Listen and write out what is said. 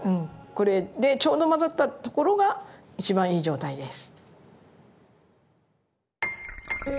これでちょうど混ざったところが一番いい状態です。